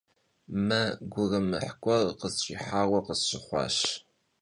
Мэ гурымыхь гуэр къысщӀихьауэ къысщыхъуащ.